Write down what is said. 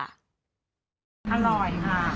อร่อยค่ะ